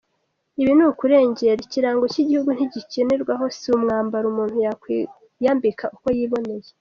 Ibi ni ukurengera, Ikirango cy’igihugu ntigikinirwaho, si umwambaro umuntu yakwiyambika uko yiboneye.